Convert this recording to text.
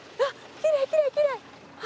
きれいきれいきれい！